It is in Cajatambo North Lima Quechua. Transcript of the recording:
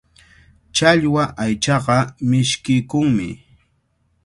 Challwa aychaqa mishkiykunmi.